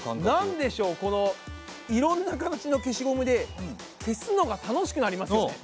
なんでしょうこのいろんな形の消しゴムで消すのが楽しくなりますよね。